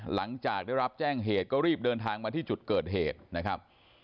หลังจากได้รับแจ้งเหตุก็รีบเดินทางมาที่จุดเกิดเหตุนะครับ